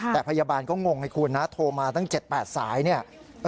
แต่พยาบาลก็งงให้คุณนะโทรมาตั้ง๗๘สายเนี่ย